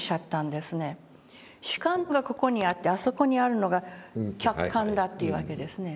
主観がここにあってあそこにあるのが客観だというわけですね。